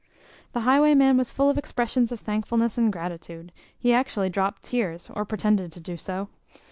The highwayman was full of expressions of thankfulness and gratitude. He actually dropt tears, or pretended so to do.